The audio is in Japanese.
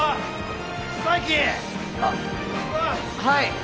はい。